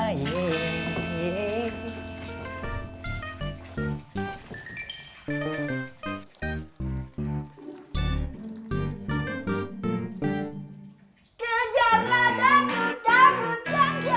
kejarlah dagu dagu sang kemeria